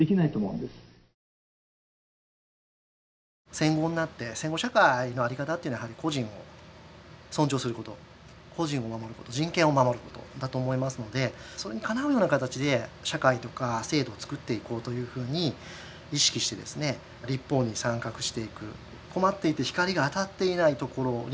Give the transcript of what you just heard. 戦後になって戦後社会のあり方っていうのは個人を尊重すること個人を守ること人権を守ることだと思いますのでそれにかなうような形で社会とか制度をつくっていこうというふうに意識して立法に参画していく。